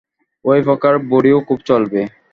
ঐ প্রকার বড়িও খুব চলবে।